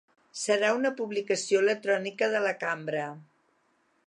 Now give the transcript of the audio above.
Serà una publicació electrònica de la cambra.